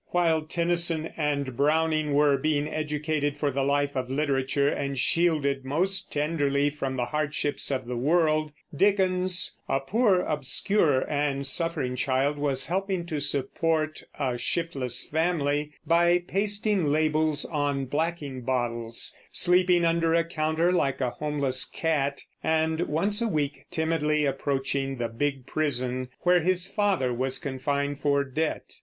While Tennyson and Browning were being educated for the life of literature, and shielded most tenderly from the hardships of the world, Dickens, a poor, obscure, and suffering child, was helping to support a shiftless family by pasting labels on blacking bottles, sleeping under a counter like a homeless cat, and once a week timidly approaching the big prison where his father was confined for debt.